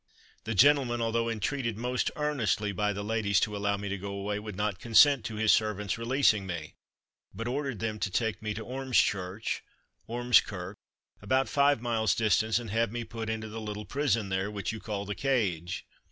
The gentleman, although entreated most earnestly by the ladies to allow me to go away, would not consent to his servants releasing me, but ordered them to take me to Ormschurch (Ormskirk), about five miles distant, and have me put into the little prison there, which you call the cage.